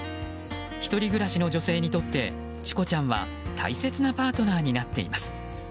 １人暮らしの女性にとってチコちゃんは大切なパートナーになっています。